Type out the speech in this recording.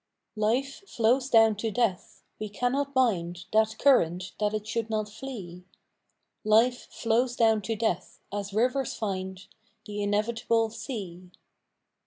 T IFE flows down to death ; we cannot bind That current that it should not flee ; Life flows down to death, as rivers find The inevitable sea.